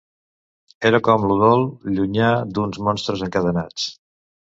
Era com l'udol llunyà d'uns monstres encadenats